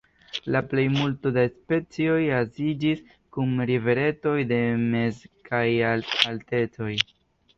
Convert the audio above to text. La plejmulto da specioj asociiĝis kun riveretoj de mez- kaj alt-altecoj.